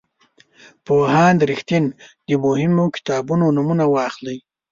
د پوهاند رښتین د مهمو کتابونو نومونه واخلئ.